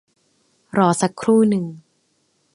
รอสักครู่หนึ่ง